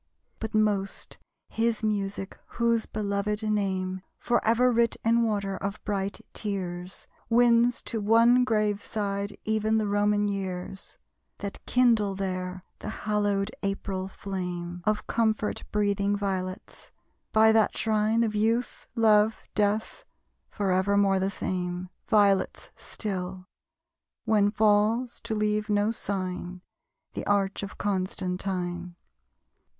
But most, his music whose belovèd name Forever writ in water of bright tears, Wins to one grave side even the Roman years, That kindle there the hallowed April flame Of comfort breathing violets. By that shrine Of Youth, Love, Death, forevermore the same, Violets still! When falls, to leave no sign, The arch of Constantine.